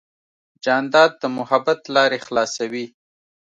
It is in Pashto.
جانداد د محبت لارې خلاصوي.